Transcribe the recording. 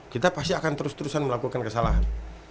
kita pasti akan terus terusan melakukan kesalahan